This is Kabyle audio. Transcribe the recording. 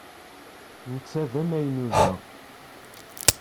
Netta d amaynu da.